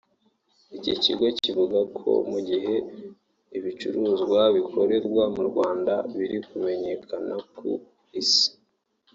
Iki kigo kivuga ko mu gihe ibicuruzwa bikorerwa mu Rwanda biri kumenyekana ku Isi